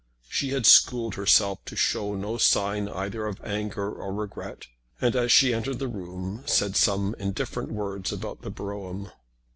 She had schooled herself to show no sign either of anger or regret, and as she entered the room said some indifferent words about the brougham.